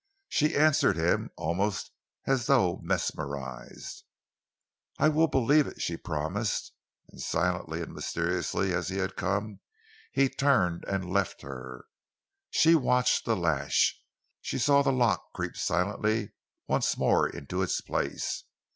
She answered him almost as though mesmerised. "I will believe it," she promised. As silently and mysteriously as he had come, he turned and left her. She watched the latch. She saw the lock creep silently once more into its place.